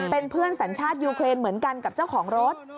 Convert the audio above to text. เป็นเพื่อนสัญชาติยูเครนเหมือนกันกับเจ้าของรถ